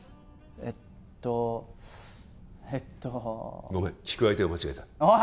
えっとえっとごめん聞く相手を間違えたおい！